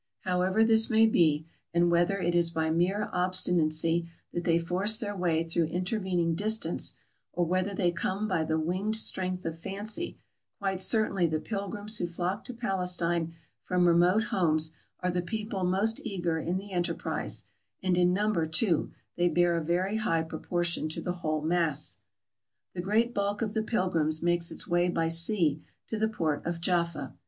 However this may be, and whether it is by mere obstinacy that they force their way through inter vening distance, or whether they come by the winged strength of fancy, quite certainly the pilgrims who flock to Palestine from remote homes are the people most eager in the enterprise, and in number, too, they bear a very high proportion to the whole mass. The great bulk of the pilgrims makes its way by sea to the port of Jaffa.